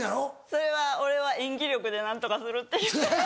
それは「俺は演技力で何とかする」って言って。